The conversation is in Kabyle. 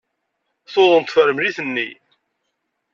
Tuḍen tefremlit-nni.